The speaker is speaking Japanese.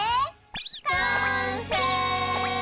完成！